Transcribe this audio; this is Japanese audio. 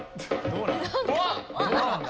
うわっ！